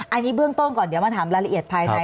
อันนี้เบื้องต้นก่อนเดี๋ยวมาถามรายละเอียดภายใน